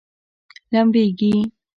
لمبیږي؟